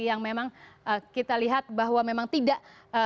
yang memang kita lihat bahwa memang tidak